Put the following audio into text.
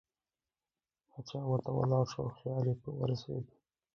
باچا ورته ولاړ شو او خیال یې په ورسېد.